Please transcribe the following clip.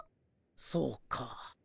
そうか。